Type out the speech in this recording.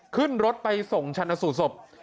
ขึ้นรถไปส่งชันสูตรศพ